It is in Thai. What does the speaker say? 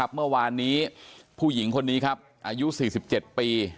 เมื่อวานนี้ผู้หญิงคนนี้ครับอายุ๔๗ปี